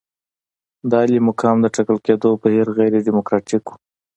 د عالي مقام د ټاکل کېدو بهیر غیر ډیموکراتیک وو.